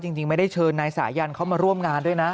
จริงไม่ได้เชิญนายสายันเข้ามาร่วมงานด้วยนะ